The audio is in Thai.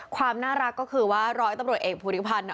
ความน่ารักก็คือว่าร้อยตำรวจเอกภูริพันธ์